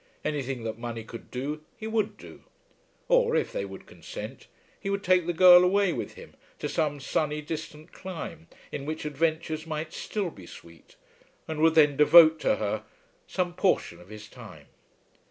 Anything that money could do, he would do. Or, if they would consent, he would take the girl away with him to some sunny distant clime, in which adventures might still be sweet, and would then devote to her some portion of his time.